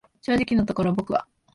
正直のところ僕は、